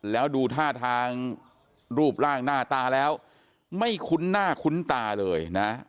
แล้วดูท่าทางรูปร่างหน้าตาแล้วไม่คุ้นหน้าคุ้นตาเลยนะ